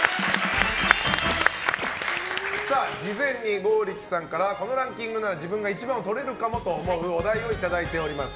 事前に剛力さんからこのランキングなら自分が１番をとれるかもと思うお題をいただいております。